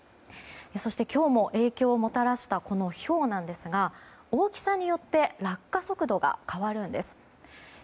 そして、今日も影響をもたらしたこのひょうなんですが大きさによって落下速度が変わるんです。